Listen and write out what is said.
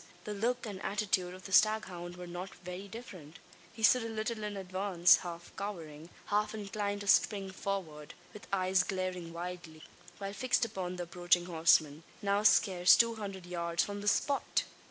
The look and attitude of the staghound were not very different. He stood a little in advance half cowering, half inclined to spring forward with eyes glaring wildly, while fixed upon the approaching horseman now scarce two hundred yards from the spot!